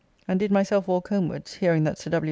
And did myself walk homewards (hearing that Sir W.